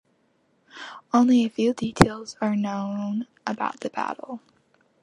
Only a few details are known about the battle.